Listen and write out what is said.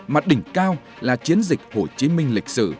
mặt đỉnh cao là chiến dịch hồ chí minh lịch sử